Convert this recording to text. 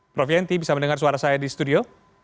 prof yanti bisa mendengar suara saya di studio